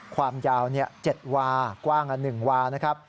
ความยาว๗วากว้าง๑วานะครับ